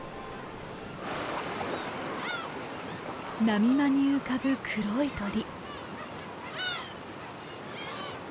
波間に浮かぶ黒い鳥。